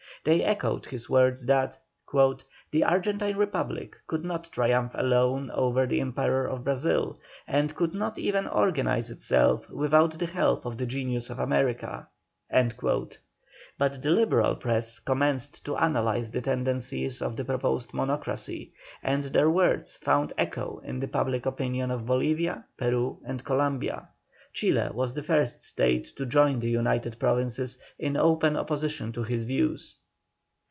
They echoed his words that: "The Argentine Republic could not triumph alone over the Emperor of Brazil, and could not even organize itself without the help of the genius of America." But the Liberal press commenced to analyze the tendencies of the proposed Monocracy, and their words found echo in the public opinion of Bolivia, Peru, and Columbia. Chile was the first state to join the United Provinces in open opposition to his views.